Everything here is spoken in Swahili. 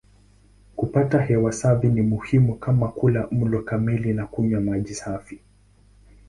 Kupata hewa safi ni muhimu kama kula mlo kamili na kunywa maji safi.